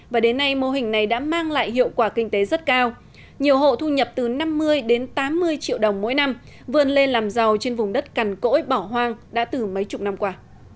và đến nay mô hình này đã mang lại hiệu quả kinh tế rất cao nhiều hộ thu nhập từ năm mươi đến tám mươi triệu đồng mỗi năm vươn lên làm giàu trên vùng đất cằn cỗi bỏ hoang đã từ mấy chục năm qua